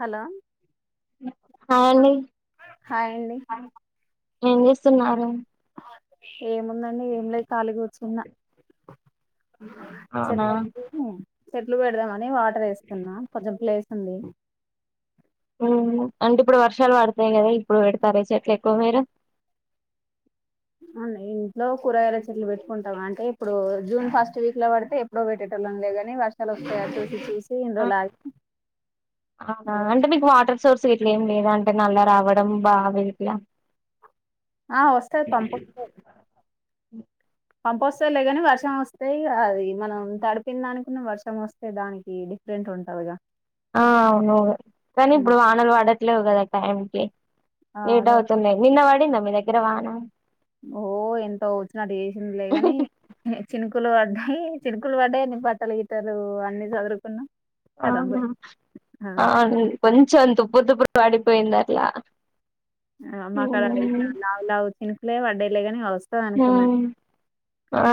Hello హాండి hi అండి ఏం చేస్తున్నారు ఏముందండి ఏం లేదు ఖాళీ కూర్చున్న అవునా చెట్ల ఎత్తుకొని చెట్లు పెడదామని వాటర్ వేస్తున్నా కొంచెం ప్లేస్ ఉంది మ్ అంటే ఇప్పుడు వర్షాలు పడతాయి కదా ఇప్పుడు పెడతారు చెట్ల ఎక్కువ మీరు మ్ ఈ ఇంట్లో కూరగాయల చెట్లు పెట్టుకుంటాం అంటే ఇప్పుడు జూన్ ఫస్ట్ వీక్ లో పడితే ఇంట్లో పెట్టేటోలమ్ గద అని వర్షాలు వస్తాయ చూసి చూసి ఇన్ని రోజులు ఆగి అవునా అంటే మీకు వాటర్ సోర్స్ ఇట్లా ఏం లేదా అంటే నల్లా రావడం బాగా ఇట్లా ఆ వస్తాయ్ పంప్ దే పంపొస్తాలే కానీ వర్షం వస్తాయి ఇగ అది మనం తడిపిన్దానుకున్నా వర్షం వస్తాయి దానికి ఇ రెంట్ ఉంటాయిగా ఆ అవును కానీ ఇప్పుడు వానలు పడట్లేవు కదా టైంకిి ఆ లేట్ అదే అవుతున్నాయి నిన్న వడిందా మీ దగ్గర వాన ఓ ఎంత వచ్చినటు చేసిందిలేగాని చినుకులు పడ్డాయి చినుకులు పడ్డాయిన్ని బట్టల గిటలు అన్ని చదురుకున్నా అవునా అవును కొంచెం తుప్పు తుప్పు పడిపోయిందట్ల మాకాడా ఇట్లా లావు లావు చినుకులే పడ్డాయిలే గాని ఇగ వాస్తవ అనుకున్నాను ఉమ్.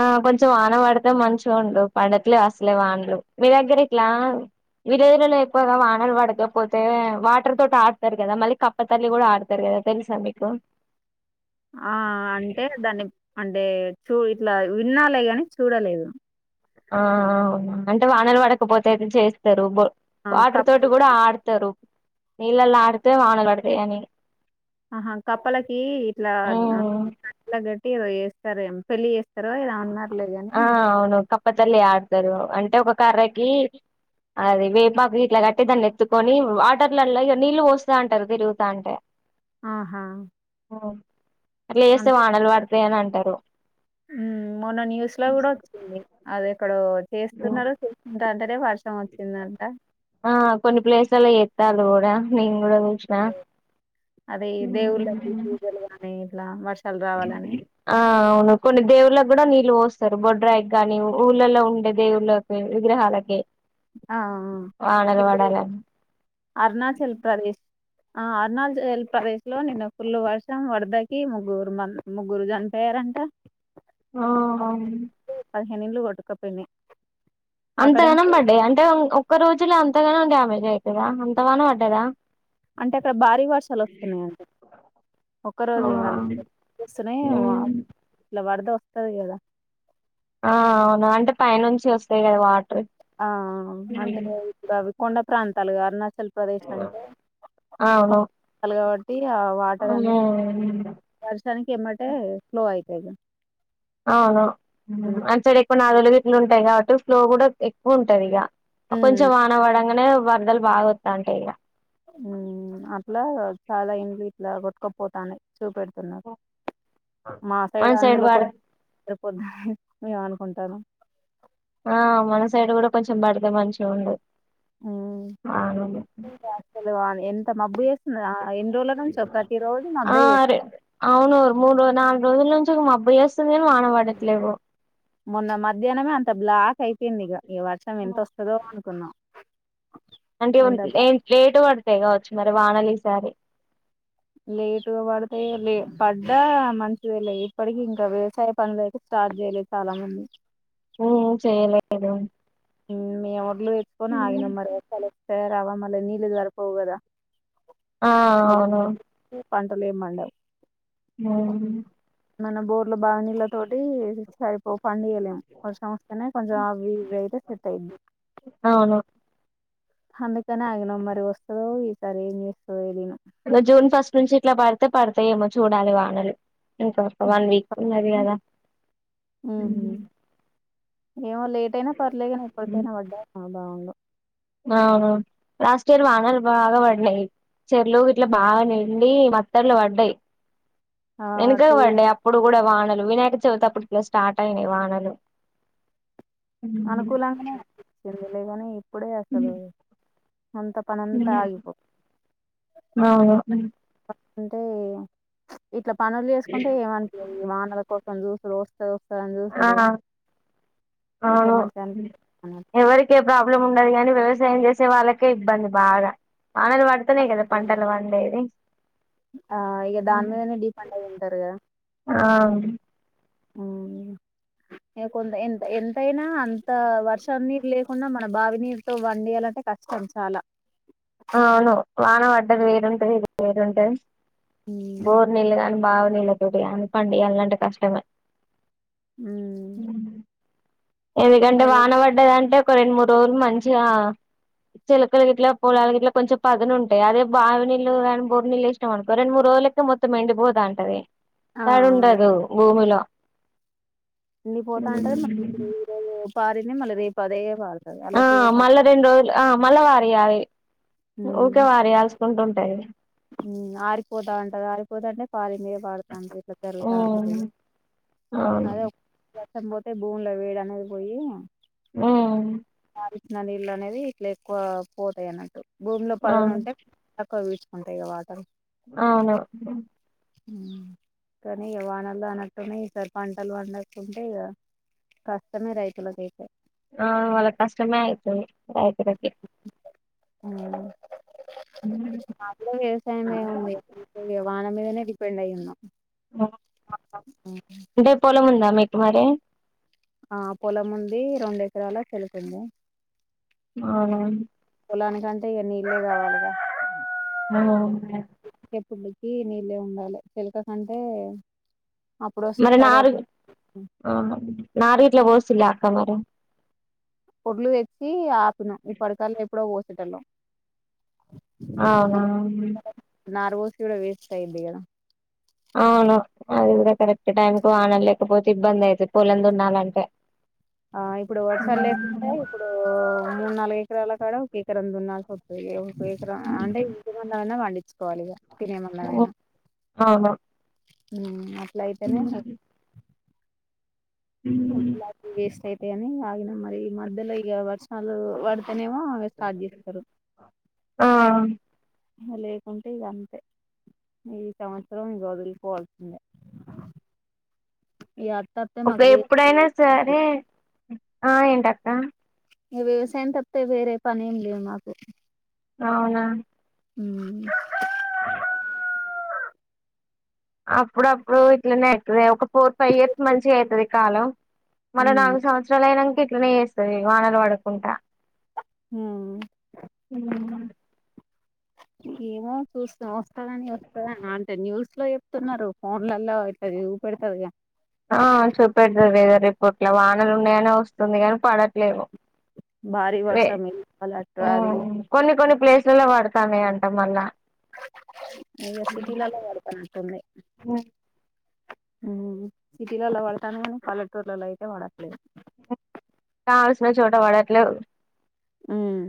ఆ కొంచెం వాన పడతాం మంచిగా ఉండు పడట్లే అసలే వానలు మీ దగ్గర ఇట్లా విలేజ్ లలో ఎక్కువగా వానలు పడకపోతే వాటర్ తోటి ఆడతారు కదా మళ్ళీ క పేపర్ లీ కూడా ఆడతారు కదా తెలుసా మీకు ఆ అంటే దాన్ని అంటే చూ ఇట్లా విన్నాలే గాని చూడలేదు ఆ అవునా అంటే వానలు పడకపోతే ఇట్ల చేస్తారు బో ఆ వాటర్ తోటి కప్పలు కూడా ఆడతారు నీళ్ళలో ఆడితే వాన పడతాయి అని ఆహా కప్పలకి ఇట్లా ఉమ్. ఇట్లా కట్టి వేస్తారే పెళ్ళి చేస్త ఆ అవును కప్పతల్లి ఆడతారు అంటే ఒక కర్రకి అది వేపాకు ఇట్లా కట్టి దాన్ని ఎత్తుకొని వాటర్లలో ఇగ నీళ్ళు పోస్తా అంటారు తిరుగుతా అంటే ఆహా అట్ల చేస్తే వానలు పడతాయి అని అంటారు మ్ మొన్న న్యూస్ లో కూడా వచ్చింది అది ఇక్కడ చేస్తున్నారో చేస్తుంట అంటనే వర్ష కష్టం వచ్చిందంట ఆ కొన్ని ప్లేస్లలో ఎత్తాలి కూడా నేను కూడా ఉంచ్ ఆ అది దేవుళ్ళకి పూజలు గాని ఇట్లా మర్స్ ఆ అవును కొన్ని దేవుళ్ళకి కూడా నీళ్ళు పోస్తారు బొడ్రాయికి గాని ఊళ్ళలో ఉండే దేవుళ్ళ వి విగ్రహాలకి ఆ! ఆ! ఆ! వానలు ఇప్పుడు వడాల అరుణాచల్ ప్రదే ఆ అరుణాచల్ ప్రదేశ్ లో నిన్న ఫుల్లు వర్షం వరదకి ముగ్గురు మన్ ముగ్గురు చనిపోయారంట ఆహా పదిహేను ఇండ్లు కొట్టుకపోయినయి అక్కడేమో అంతగానం పడ్డాయా అంటే ఒక్క రోజులో అంతగానో డ్యామేజ్ అవుతదా అంత వాన పడ్డదా అంటే అక్కడ భారీ వర్షాలు వత్తున్నాయింట ఒకరోజు కానీ వస్తన్నాయి ఇలా వరద వస్తది కదా ఆ అవును అంటే పై నుంచి వస్తాయి కదా వాటర్ ఆ అంటే ఇప్పుడు అవి కొండ ప్రాంతాలు గారని అసలు ప్రదేశ్ అంటే అవును అలా కాబట్టి ఆ వాటర్ అనేది వర్షానికి ఇమ్మటే స్లో అయితదిగా అవును అంత సైడ్ ఎక్కువ నాలులు గ ఇట్లు ఉంటాయి కాబట్టి ఫ్లో కూడా ఎక్కువ ఉంటది ఇగ కొంచెం వాన వడంగానే వరదలు బాగా వత్తంటాయి ఇగ ఉ అట్లా చాలా ఇన్లు ఇట్లా కొట్టుకపోతన్నాయి చూపెడుతున్నారు మా మన సైడ్ పడ అందులోకి పొద్దు మేము అనుకుంటన్నాము ఆ మన సైడ్ కూడా కొంచెం పడితే మంచిగా ఉండు ఊ ఆను అస్సలు ఎంత మబ్బు చేస్తుంది ఎన్ని రోజుల నుంచి ప్రతి రోజు ఆ మబ్బే రే చేస్తుంది అవును మూడు నాలుగు రోజుల నుంచి మబ్బు చేస్తుంది కానీ వాన పడట్లేవు మొన్న మధ్యాహ్నమే అంత బ్లాక్ అయిపోయింది ఇక ఈ వర్షం ఎంత వస్తదో అనుకున్నాం అంటే ఎంత లే బ్లాక్ లేటు పడితే కావచ్చు మరి వానలు ఈసారి లేటుగా పడుతాయి లే పడ్డా మంచిదేలే ఇప్పటికి ఇంకా వ్యవసాయం పనులు అయితే స్టార్ట్ చేయలేదు చాలా మంది ఉ చేయలేదు మే వడ్లు పెట్టుకొని ఆగినం మరి వర్షాలు వస్తాయా రావా మళ్ళ నీళ్లు దొరకవు కదా ఆ అవును ఏ పంటలే ఏం పండవు ఉ మన బోర్లు బావనీళ్ల తోటి సయి ఓ పని చేయలేము వర్షం వస్తేనే కొంచెం అవి ఇవి అయితే సెట్ అయిద్ది అవును అందుకని ఆగినం మరి వస్తదో ఈసారి ఏం చేస్తదో తెలిదు ఆ జూన్ ఫస్ట్ నుంచి ఇట్ల పడితే పడతాయేమో చూడాలి వానలు ఇంకో వన్ వీక్ ఇంగ అది కాద ఉ ఉహు ఏమో లేట్ అయినా పర్లేగాని ఎప్పటికైనా పడ్డా బాగుండు అవును లాస్ట్ ఇయర్ వానలు బాగా పడ్డాయి చెర్లు గిట్ల బాగా నిండి మత్తర్లు పడ్డాయి ఆ వెనక టూ పడ్డాయి ఇయర్స్ అప్పుడు కూడ వానలు వినాయక చవితి అప్పుడుల స్టార్ట్ అయినాయి వానలు అనుకూలంగానే వచ్చింది లేగాని ఇప్పుడే అసలు అంత పని అంత ఆగిపో అవును అంటే ఇట్లా పనులు వేసుకుంటే ఏమనిపియ వానల కోసం దూసులు వస్త [unintelligible] చు ఆ సుడు అవును అనిపియదు ఎవరి [unintelligible] ప్రాబ్లం ఉండదు గానీ వ్యవసాయం చేసే వాళ్ళకే ఇబ్బంది బాగ [unintelligible] [unintelligible] కదా పంటలు పండేది ఆ ఇగ దాని మీదనే డిపెండ్ అయి ఉంటారు ఆ ఆ కొంత ఎంత ఎంతయిన అంత వర్షం [unintelligible] ఉన్న మన బావి నీరుతో [unintelligible] డియ్యాలంటే కష్టం చాలా అవును వాన వడ్డది వేరుంటది ఇది వేరుంటుది ఉమ్ బోర్ నీళ్ళు కాని [unintelligible] అల్లాంటే కష్టమే ఉ ఎందుకంటే మరి వాన పడ్డదంటే ఒక రెండు మూడు రోజులు మంచిగ చిలకలు గిట్ల పొలలు గట్ల కొంచెం పనునంటయిదే బావి నీలు కానీ బోరు నీళ్లు ఇష్ట అకో రెండు మూడు రోజుల మొత్తం ఎండిపోతటది ఆ తడి ఉండదు భూమిలో తండిపోతా అంటది మ [unintelligible] మళ్ళీ రేపు అదే పారుతుంది ఆ అళ్కి మళ్ళా రెండు రోజులు మళ్ళా వారియాలి ఊకే ఉమ్ వారియాల్సుకుంటుంటాయి ఆరిపోతా ఉంటది ఆరిపోతా అంటే ప ఉమ్ [unintelligible] [unintelligible] అవును అదే [unintelligible] పోతే భూమిలో వేడి అనేది పోయి ఉ [unintelligible] అనేది ఇట్లా ఎక్కువ పోతాయి అన్నట్టు భూమిలో పదను అవును ఉంటే [unintelligible] కుంటాయి కద వాటర్ అవును కానీ వానల్లో అన్నట్టున్నాయి ఈసారి పంటలు పండకుంటే ఇగ కష్టమే రైతులకైతే ఆ వాళ కష్టమే ఆయతది రైతులకి మా గూడ వ్యవసాయమే [unintelligible] వాన మీదనే డిపెండ్ అయి ఉన్నాం అంటే పొలము ఉందా మీకు మరి ఆ పొలం ఉంది రెండు ఎకరాల [unintelligible] ఆవునా పొలానికి అంటే [unintelligible] అ [unintelligible] నీళ్ళే ఉండాలి చిలక కంటే అప్పుడు మరి వస్తడి నాలుగు నాలుగిట్ల పోస్తులే అక్క మరి ఓడ్లు తెచ్చి ఆపినం ఈ పడకల్లో ఎప్పుడో పోసేటళ అవున నార్వోసీ కూడ వేస్ట్ అయ్యింది కదా అవును అది కూడ కరెక్ట్ టైంకు వానలేకపోతే ఇబ్బంది అయితే పొలం దున్నలంటే ఆ ఇప్పుడు వర్షాలు లేకుంటే ఇప్పుడు మూడు నాలుగు ఎకరాల కాడ ఒక ఎకర [unintelligible] ఉప ఉప ఎకరం అంటే ఇంటి ముందున్న పండించుకోవాలి ఇక తినేవి ఏమన్నా అవును అట్లాయితేనే వేస్ట్ అయితే అని ఆనమ్ మరి మధ్యలో ఈ వర్షాలు వాడతనేమో ఫస్ట్ స్టార్ట్ చేస్తారు ఆ లేకుంటే ఇక అంతే ఈ సంవత్సరం ఇక వదులుకోవాల్సిందే ఈ అంతంత ఒక ఎప్పుడైనా సరే ఆ ఏంటక్క ఈ వ్యవసాయం తప్పితే వేరే పని ఏం లేవు మాకు అవునా ఉమ్ ఏ అప్పుడప్పుడు ఇట్లనే అవుతుంది ఒక ఫోర్ ఫైవ్ ఇయర్స్ మంచిగా అవుతుంది కాలం మరో ఉమ్, నాలుగు సంవత్సరాలు అయినాక ఇట్లనే చేేస్తుంది వానలు పడకుంటడా ఉమ్. ఉమ్ ఏమో చూస్తా వస్తారని వస్తాని అంటే న్యూస్ లో చెప్తున్నారు ఫోన్లో అట్లా చూపెడతదిగా ఆ చూపెడతాది రిపోట్లా వానలు ఉన్నాయనే వస్తుంది కానీ పడ లేవు భారీ వే వర్షం ఇవ్వాలి అటు అది ఉమ్ కొన్ని కొన్ని ప్లేస్లలో పడతాంది అంటా మళ్ళా ఏదో సిటీలలో పాడుతున్నటుంది సిటీలోలా పడుతుంది కానీ పల్లెటూర్లోలో అయితే పడట్లేదు కావాల్సిన చోట పడట్లేదు ఉమ్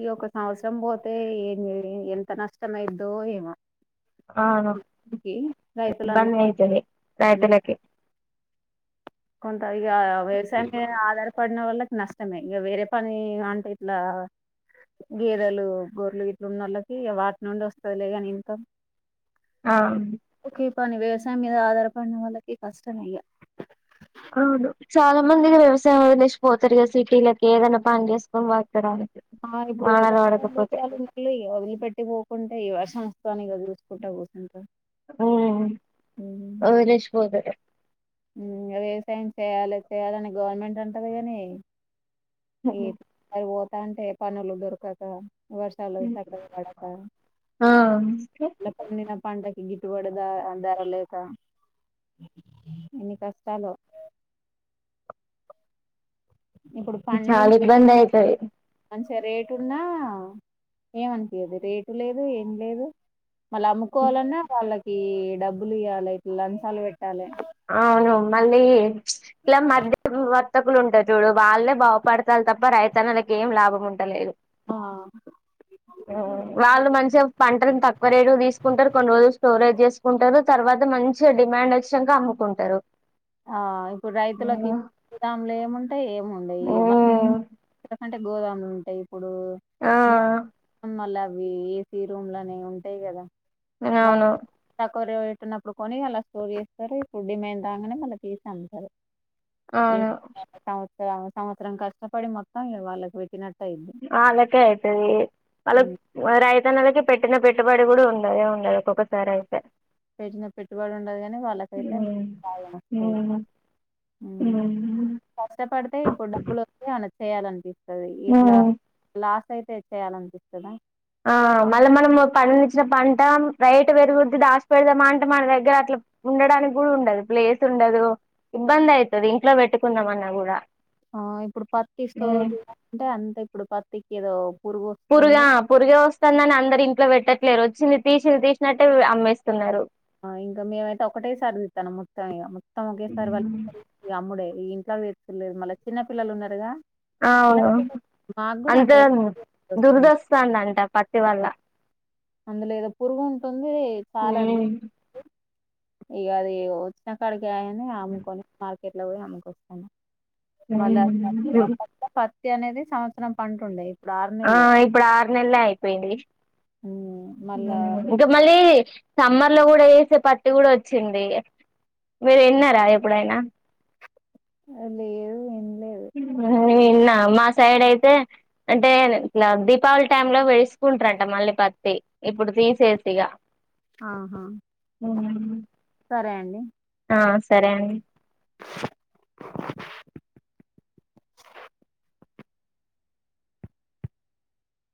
ఈ ఒక సంవత్సరం పోతే ఏం ఎంత నష్టం అయ్యిదో ఏమో అ ఈ రైతులందరూ ఇబ్బంది అయితది రైతులకి కొంత ఇక వ్యవసాయమే ఆధారం పడిన వాళ్ళకి నష్టమే ఇక వేరే పని అంటే ఇట్లా గేదెలు గొర్రెలు ఇట్లున్న వాళ్ళకి వాటి నుండి వస్తుదిలే కాని ఇంత ఆ ఓకే పాని వ్యవసాయం మీద ఆధారపడిన వాళ్ళకి కష్టమే ఇక అవును చాలా మంది వ్యవసాయం వదిలేసిపోతారు కదా సిటీలకి ఏదైనా పని చేసుకొని బతకడానికి ఆ ఇప్పుడు వానలు వెతుకుతున్న పడకపోతే దూసరాలున్నా వదిలిపెట్టి పోగుంటే ఈ వర్షం వస్తుందని చూసుకుంటా కూర్చుంటారా ఇంకా ఉ వదిలేసి పోతారు వ్యవసాయం చేయాలి చేయాలని గవర్నమెంట్ అంటది గాని ఏ అవి పోతా అంటే పనులు దొరకక వర్షాలు చక్కగా పడక ఆ పండిన పంటకి గిట్టుబాటు ధర లేక ఎన్ని కష్టాలో ఇప్పుడు చాలా ఇబ్బంది పండించిన అయితది మంచిగా రేటు ఉన్నా ఏమనిపియాదూ రేటు లేదు ఏం లేదు మళ్ళీ అమ్ముకోవాలన్నా వాళ్ళకి డబ్బులు ఇవ్వ్యాలి లంచాలు పెట్టాలి అవును మళ్ళీ ఇలా మధ్య వర్తకులు ఉంటరు చూడు వాళ్ళే బాగుపడతాళ్ళు తప్ప రైతన్నలకి ఏం లాభం ఉంటలేదు ఆ వాళ్ళు మంచిగా పంటలు తక్కువ రేటు తీసుకుంటరు కొన్ని రోజులు స్టోరేజ్ చేసుకుంటరు తర్వాత మంచిగా డిమాండ్ వచ్చినంక అమ్ముకుంటరు ఆ ఇప్పుడు రైతులకి గోదాముల ఏముంటాయి ఏమి ఉండయి ఉమ్ వాళ్ల కంటే గోదాములు ఉంటాయి ఇప్పుడు ఆ మల్ల అవి ఏసీ రూమ్ లని ఉంటాయి కదా వాళ్ళు అవును తక్కువ రేట్ ఉన్నప్పుడు కొని అలా స్టోర్ చేస్తారు ఇప్పుడు డిమాండ్ రాంగనే మళ్ళీ తీసి అమ్ముతరు ఇగ అవును సంవత్సర సంవత్సరం కష్టపడి మొత్తం ఇగ వాళ్ళకి పెట్టినట్టు అయిద్ది అల్లకే అయితది ఉమ్, వాల్ రైతన్నలకి పెట్టిన పెట్టుబడి కూడా ఉండదు ఉండదు ఒక్కొక్కసారి అయితే పెట్టిన పెట్టుబడి ఉండదు కాని వాళ్ళకైతే ప్రాబ్లం వస్తది ఉ ఉమ్. కష్టపడితే ఇప్పుడు డబ్బులు వత్తే అలా చేయాలనిపిస్తుంది ఇట్లా లాస్ అయితే చేయాలినిపిస్తదా ఆ మళ్ళ మనం పండిచ్చిన పంట రేట్ పెరుగుద్ది దాస్ పెడదామా అంటే మన దగ్గర అట్లా ఉండడానికి కూడా ఉండదు ప్లేస్ ఉండదు ఇబ్బంది అయితది ఇంట్లో పెట్టుకుందాం అన్నా కూడా ఆ ఇప్పుడు పత్తి సో అంటే అంతే ఇప్పుడు పత్తికి ఏదో పురుగు పురుగా వస్తుంది పురుగే వస్తందని అందరు ఇంట్లో పెట్టట్లేరు వచ్చింది తీసి తీసినట్టే అమ్మేస్తున్నారు ఇంకా మేమైతే ఒకటేసారి తిత్తనం మొత్తం ఇగ మొత్తం ఒకేసారి వా ఇగ అమ్ముడే ఈ ఇంట్లో పెడ్తలేరు మళ్ళ చిన్న పిల్లలు ఉన్నారుగా చిన్న అవును పిల్లలు మాకు కూడా అంత దుర్ద వస్తుంది వస్తందంట పత్తి వల్ల అందు లేదో పురుగు ఉంటుంది చాలా ఇగ అది ఉన్న కడికేయని అమ్ముకొని మార్కెట్ లో పోయి అమ్ముకొస్తానము మళ్ళా ప పత్తి అనేది సంవత్సరం పంట ఉండే ఇప్పుడు ఆరు ఆ నెల్లే ఇప్పుడు ఆర్నెల్లె అయిపోయింది మళ్ళా ఇంక మళ్ళీ సమ్మర్ లో కూడా వేసే పత్తి కూడా వచ్చింది మీరు ఇన్నారా ఎప్పుడైనా ఆ లేదు ఇన్లే నేను ఇన్న మా సైడ్ అయితే అంటే ఇట్లా దీపావళి టైంలో వెేసుకుంటరంట మళ్ళీ పత్తి ఇప్పుడు తీసేసి ఇగా ఆహా సరే అండి ఆ సరే అండి